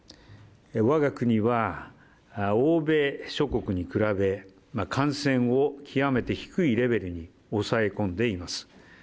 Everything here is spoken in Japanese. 我が国は欧米諸国に比べ、感染を極めて低いレベルに抑え込んでいます。